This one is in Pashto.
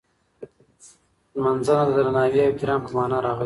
نمځنه د درناوي او احترام په مانا راغلې ده.